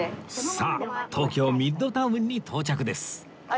さあ東京ミッドタウンに到着です